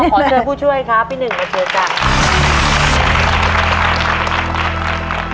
ขอเธอผู้ช่วยครับพี่หนึ่งขอช่วยกัน